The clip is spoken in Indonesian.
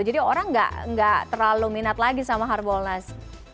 jadi orang gak terlalu minat lagi sama harbolnas